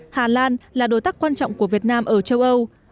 hà lan là đối tác quan trọng của việt nam ở châu âu